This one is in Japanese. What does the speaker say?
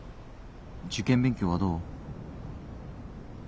受験勉強はどう？